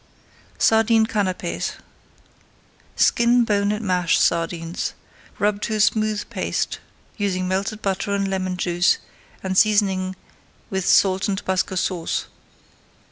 [Page 318] SARDINE CANAPES Skin, bone, and mash sardines. Rub to a smooth paste, using melted butter and lemon juice, and seasoning with salt and Tabasco Sauce.